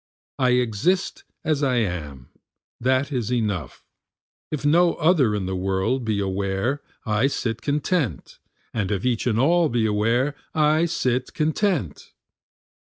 I exist as I am, that is enough, If no other in the world be aware I sit content, And if each and all be aware I sit content.